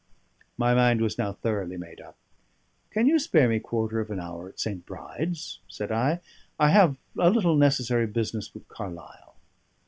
My mind was now thoroughly made up. "Can you spare me quarter of an hour at St. Bride's?" said I. "I have a little necessary business with Carlyle."